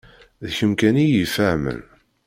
D kemm kan i y-ifehmen.